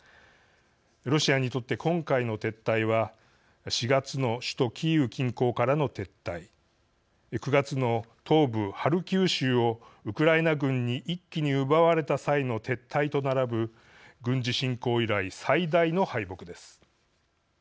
ロシアにとって今回の撤退は４月の首都キーウ近郊からの撤退９月の東部ハルキウ州をウクライナ軍に一気に奪われた際の撤退と並ぶ軍事侵攻以来、最大の敗北です。